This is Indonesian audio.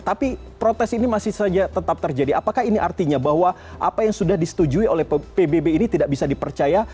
tapi protes ini masih saja tetap terjadi apakah ini artinya bahwa apa yang sudah disetujui oleh pbb ini tidak bisa dipercaya